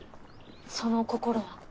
その心は？